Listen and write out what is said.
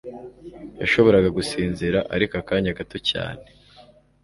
Yashoboraga gusinzira ariko akanya gato cyane